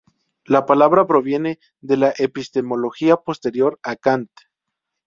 La palabra proviene de la epistemología posterior a Kant.